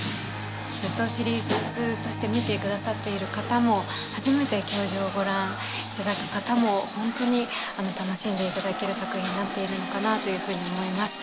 ずっとシリーズとして見てくださっている方も初めて『教場』をご覧いただく方もホントに楽しんでいただける作品になっていると思います。